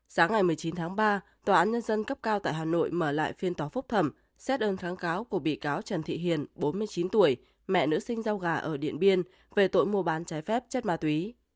sáng ngày một mươi chín tháng ba tòa án nhân dân cấp cao tại hà nội mở lại phiên tòa phúc thẩm xét đơn kháng cáo của bị cáo trần thị hiền bốn mươi chín tuổi mẹ nữ sinh rau gà ở điện biên về tội mua bán trái phép chất ma túy